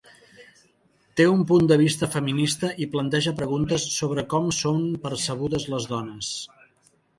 Té un punt de vista feminista i planteja preguntes sobre com són percebudes les dones.